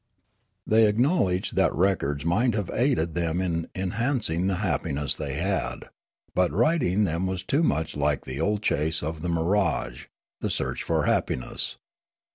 The}^ acknowledge that records might have aided them in enhancing the happiness they had, but writing them was too much like the old chase of the mirage, the search for happiness.